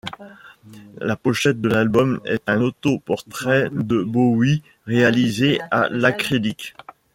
La pochette de l'album est un autoportrait de Bowie réalisé à l'acrylique.